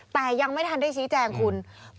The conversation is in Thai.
แต่ยังไม่ทันได้ชี้แจงคุณ